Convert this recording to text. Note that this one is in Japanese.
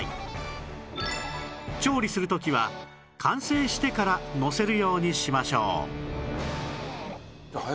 調理する時は完成してからのせるようにしましょう